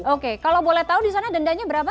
oke kalau boleh tahu di sana dendanya berapa